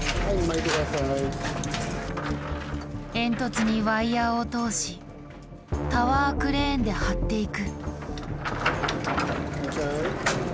煙突にワイヤーを通しタワークレーンで張っていく。